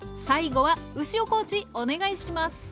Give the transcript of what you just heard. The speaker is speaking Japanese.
最後は牛尾コーチお願いします！